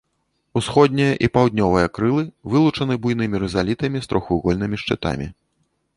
Усходняе і паўднёвае крылы вылучаны буйнымі рызалітамі з трохвугольнымі шчытамі.